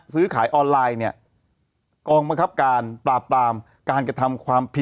เทคโนโลยีหรือว่าปอธ